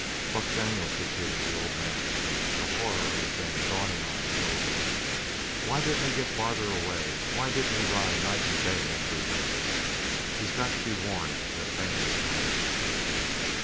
"Buck Daniels!" repeated the old man, the horror of the thing dawning on him only slowly. "Why didn't he get farther away? Why didn't he ride night and day after he left us? He's got to be warned that Dan is coming!"